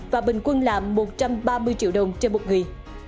và bình quân là một trăm ba mươi triệu đồng trên một người